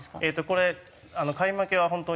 これ買い負けは本当